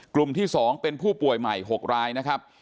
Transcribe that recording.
กลุ่มที่๒เป็นผู้ป่วยใหม่๖รายนะครับ